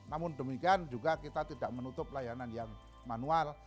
namun demikian juga kita tidak menutup layanan yang manual